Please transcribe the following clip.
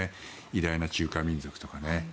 偉大な中華民族とかね。